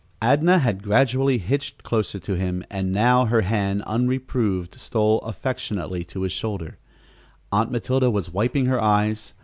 Adnah had gradually hitched closer to him, and now her hand, unreproved, stole affectionately to his shoulder. Aunt Matilda was wiping her eyes.